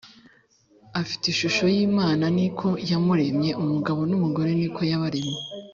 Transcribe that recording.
afite ishusho y’Imana ni ko yamuremye, umugabo n’umugore ni ko yabaremye.